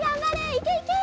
いけいけ！